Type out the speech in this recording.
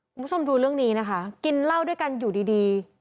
คุณผู้ชมดูเรื่องนี้นะคะกินเหล้าด้วยกันอยู่ดี